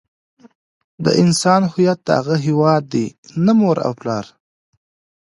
د انسان هویت د هغه هيواد دی نه مور او پلار.